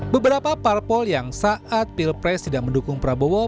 beberapa parpol yang saat pilpres tidak mendukung prabowo